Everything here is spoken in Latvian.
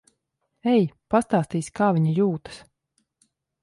Ej. Pastāstīsi, kā viņa jūtas.